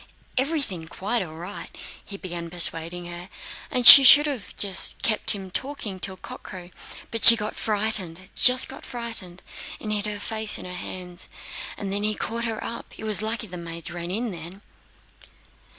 Everything quite all right, and he began persuading her; and she should have kept him talking till cockcrow, but she got frightened, just got frightened and hid her face in her hands. Then he caught her up. It was lucky the maids ran in just then...."